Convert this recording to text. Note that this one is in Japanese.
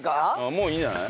もういいんじゃない？